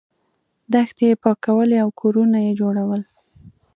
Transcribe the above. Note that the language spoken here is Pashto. دښتې یې پاکولې او کورونه یې جوړول.